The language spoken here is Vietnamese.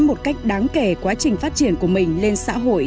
một cách đáng kể quá trình phát triển của mình lên xã hội